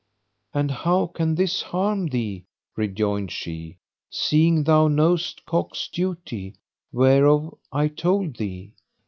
"And how can this harm thee," rejoined she; "seeing thou knowest cock's duty, whereof I told thee?"